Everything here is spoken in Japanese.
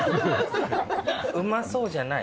うまそうじゃない。